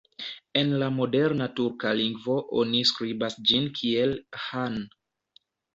En la moderna turka lingvo oni skribas ĝin kiel "han".